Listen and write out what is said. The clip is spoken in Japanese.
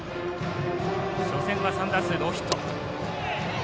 初戦は３打数ノーヒット。